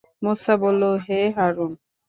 মূসা বলল, হে হারূন!